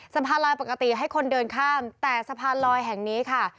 สะพานลอยปกติให้คนเดินข้ามแต่สะพานลอยแห่งนี้ค่ะ